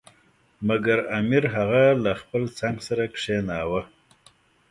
مګر امیر هغه له خپل څنګ سره کښېناوه.